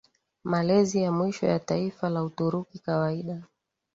malezi ya mwisho ya taifa la Uturuki kawaida